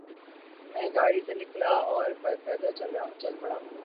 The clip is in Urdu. میں گاڑی سے نکلا اور پیدل چل پڑا۔